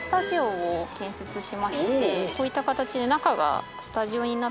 こういった形で。